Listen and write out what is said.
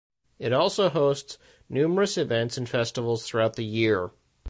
It also hosts numerous events and festivals throughout the year.